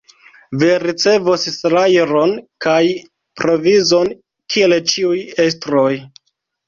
Vi ricevos salajron kaj provizon, kiel ĉiuj estroj!